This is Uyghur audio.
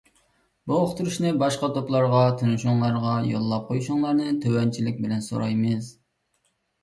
بۇ ئۇقتۇرۇشنى باشقا توپلارغا، تونۇشلىرىڭلارغا يوللاپ قويۇشۇڭلارنى تۆۋەنچىلىك بىلەن سورايمىز.